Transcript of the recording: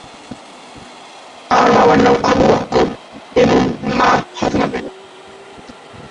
তার বাবার নাম আবু বকর এবং মা ফাতেমা বেগম।